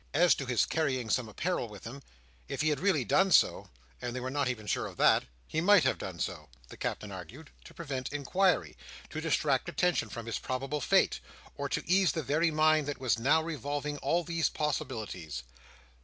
As to his carrying some apparel with him, if he had really done so—and they were not even sure of that—he might have done so, the Captain argued, to prevent inquiry, to distract attention from his probable fate, or to ease the very mind that was now revolving all these possibilities.